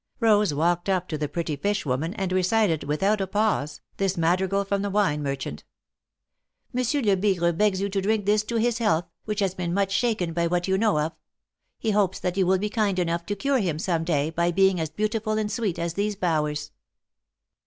Rose walked up to the pretty fish woman, and recited, without a pause, this madrigal from the wine merchant :" Monsieur Lebigre begs you to drink this to his health, which has been much shaken by what you know of. He hopes that you will be kind enough to cure him some day by being as beautiful and sweet as these bowers."